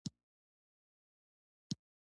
راکټ د فضا د فاتح نښه شوه